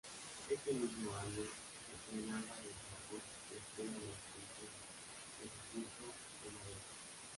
Ese mismo año, estrenaba en Zaragoza "La escuela de las princesas", de Jacinto Benavente.